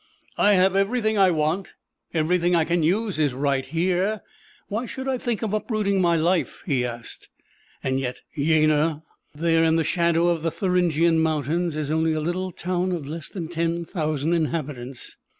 "I have everything I want, everything I can use is right here; why should I think of uprooting my life?" he asked. And yet, Jena, there in the shadow of the Thuringian Mountains, is only a little town of less than ten thousand inhabitants.